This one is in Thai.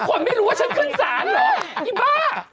คนไม่รู้ว่าฉันขึ้นศาลเหรออีบ้า